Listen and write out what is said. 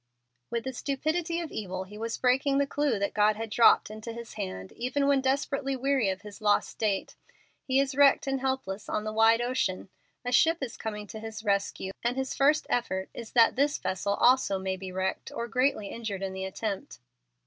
With the stupidity of evil he was breaking the clew that God had dropped into his hand even when desperately weary of his lost state. He is wrecked and helpless on the wide ocean; a ship is coming to his rescue; and his first effort is that this vessel also may be wrecked or greatly injured in the attempt.